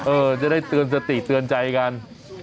จะได้เตือนสติเตือนใจกัน